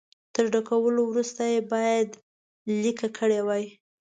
تر ډکولو وروسته یې باید لیکه کړي وای.